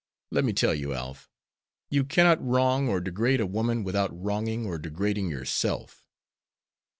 Let me tell you, Alf, you cannot wrong or degrade a woman without wronging or degrading yourself."